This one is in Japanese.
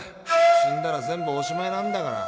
死んだら全部おしまいなんだから。